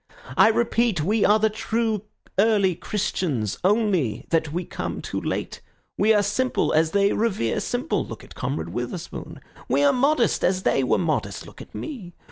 I repeat, we are the true early Christians, only that we come too late. We are simple, as they revere simple—look at Comrade Witherspoon. We are modest, as they were modest—look at me.